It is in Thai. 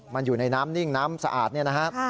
มันอยู่ในน้ำนิ่งน้ำสะอาดนี่นะครับ